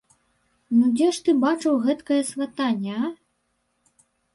Ну, дзе ж ты бачыў гэткае сватанне, а?